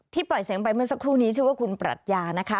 ปล่อยเสียงไปเมื่อสักครู่นี้ชื่อว่าคุณปรัชญานะคะ